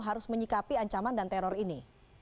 harus menyikapi ancaman dan teror ini